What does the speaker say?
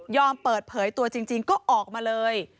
เปิดเผยตัวจริงก็ออกมาเลย